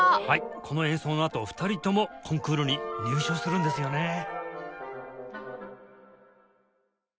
はいこの演奏のあと２人ともコンクールに入賞するんですよね